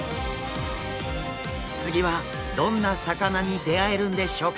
次はどんな魚に出会えるんでしょうか？